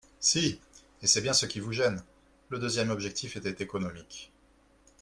Si ! …et c’est bien ce qui vous gêne ! Le deuxième objectif était économique.